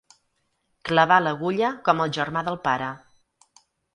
Clavà l'agulla com el germà del pare.